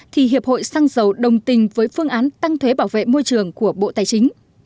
thì hiệp hội xăng dầu đồng tình với phương án tăng thuế bảo vệ môi trường của bộ tài chính